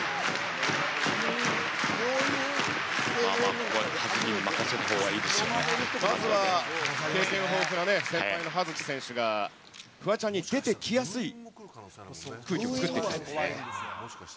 ここは葉月に任せたほうがいまずは経験豊富なね、先輩の葉月選手が、フワちゃんに出てきやすい空気を作っていきたい。